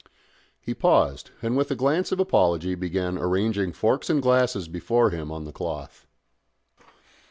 He paused, and with a glance of apology began arranging forks and glasses before him on the cloth.